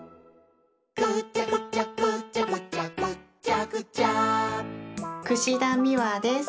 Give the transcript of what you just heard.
「ぐちゃぐちゃぐちゃぐちゃぐっちゃぐちゃ」田美和です。